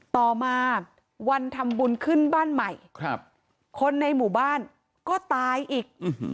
ต่อมาวันทำบุญขึ้นบ้านใหม่คนในหมู่บ้านก็ตายอีก